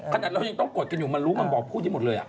ขนาดเรายังต้องกดกันอยู่มันรู้มันพูดอย่างนี้หมดเลย